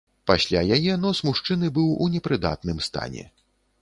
Пасля яе нос мужчыны быў у непрыдатным стане.